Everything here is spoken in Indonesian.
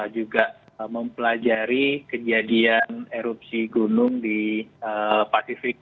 juga mempelajari kejadian erupsi gunung di pasifik